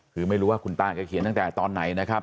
คือไม่รู้ว่าคุณตาแกเขียนตั้งแต่ตอนไหนนะครับ